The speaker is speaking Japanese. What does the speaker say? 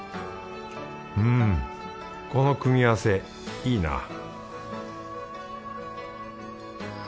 うんこの組み合わせいいな